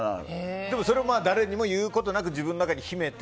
でもそれは誰にも言うことなく自分の中に秘めて。